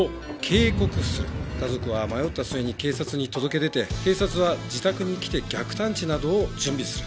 家族は迷った末に警察に届け出て警察は自宅に来て逆探知などを準備する。